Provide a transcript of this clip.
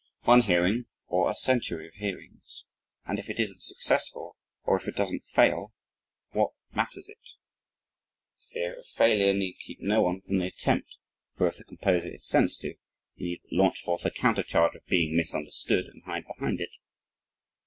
One hearing or a century of hearings? and if it isn't successful or if it doesn't fail what matters it? the fear of failure need keep no one from the attempt for if the composer is sensitive he need but launch forth a countercharge of "being misunderstood" and hide behind it.